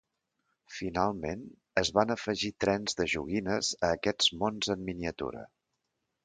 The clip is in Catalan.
Finalment, es van afegir trens de joguines a aquests mons en miniatura.